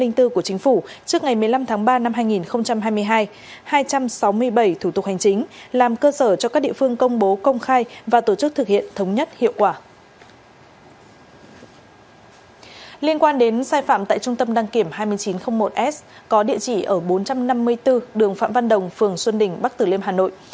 liên quan đến sai phạm tại trung tâm đăng kiểm hai nghìn chín trăm linh một s có địa chỉ ở bốn trăm năm mươi bốn đường phạm văn đồng phường xuân đình bắc tử liêm hà nội